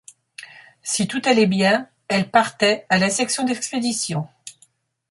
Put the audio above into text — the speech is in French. Si tout allait bien, elle partait à la section d'expédition.